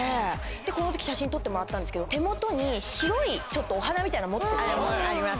この時写真撮ってもらったんですけど手元に白いお花みたいなの持ってる。あります。